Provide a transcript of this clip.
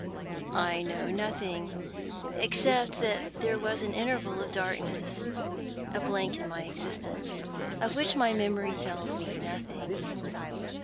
"I know nothing — except that there was an interval of darkness, a blank in my existence, of which my memory tells me nothing.